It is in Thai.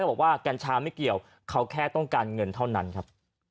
บอกว่ากัญชาไม่เกี่ยวเขาแค่ต้องการเงินเท่านั้นครับ